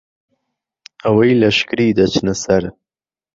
ئهوهی لهشکری دهچنه سەر